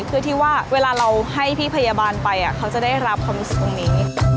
คือที่ว่าเวลาเราให้พี่พยาบาลไปเขาจะได้รับความรู้สึกตรงนี้